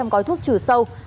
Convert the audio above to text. ba trăm linh gói thuốc trừ sâu